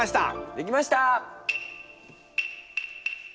できました！